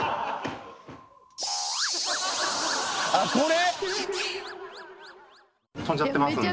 あっこれ？